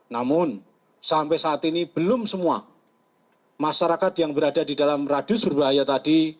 namun sampai saat ini belum semua masyarakat yang berada di dalam radius berbahaya tadi